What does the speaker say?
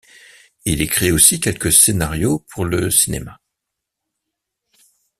Il écrit aussi quelques scénarios pour le cinéma.